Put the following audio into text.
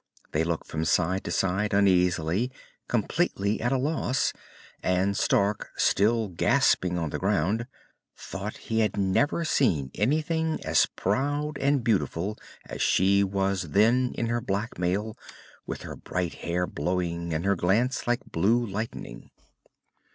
They looked from side to side uneasily, completely at a loss, and Stark, still gasping on the ground, thought that he had never seen anything as proud and beautiful as she was then in her black mail, with her bright hair blowing and her glance like blue lightning.